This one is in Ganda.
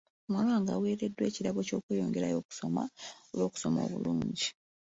Muwala wange aweereddwa ekirabo ky'okweyongerayo okusoma olw'okusoma obulungi.